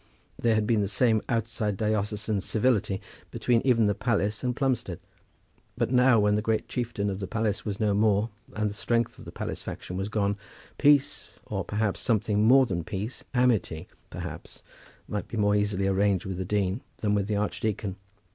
There had been the same outside diocesan civility between even the palace and Plumstead. But now, when the great chieftain of the palace was no more, and the strength of the palace faction was gone, peace, or perhaps something more than peace, amity, perhaps, might be more easily arranged with the dean than with the archdeacon.